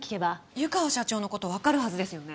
湯川社長の事わかるはずですよね。